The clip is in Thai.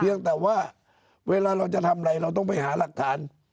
ยังแต่ว่าเวลาเราจะทำอะไรเราต้องไปหาหลักฐาน